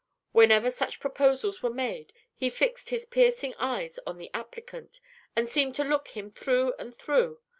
Whenever such proposals were made, he fixed his piercing eyes on the applicant, and seemed to look him through and through.